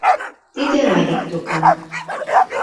— Тиде Радик докан.